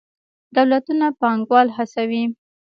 دولتونه پانګوال هڅوي.